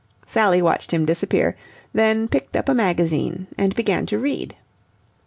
Sally watched him disappear, then picked up a magazine and began to read.